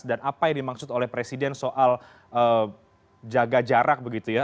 dan apa yang dimaksud oleh presiden soal jaga jarak begitu ya